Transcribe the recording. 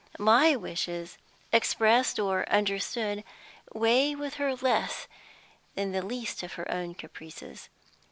My wishes, expressed or understood, weigh with her less than the least of her own caprices.